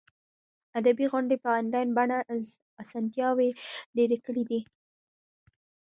ادبي غونډې په انلاین بڼه اسانتیاوې ډېرې کړي دي.